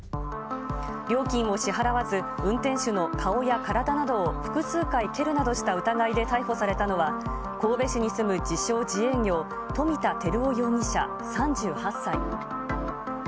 料金を支払わず、運転手の顔や体などを複数回蹴るなどした疑いで逮捕されたのは、神戸市に住む自称自営業、富田照大容疑者３８歳。